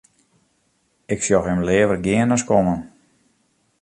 Ik sjoch him leaver gean as kommen.